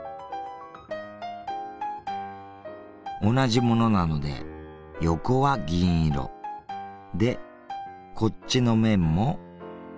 同じものなので横は銀色でこっちの面も銀色。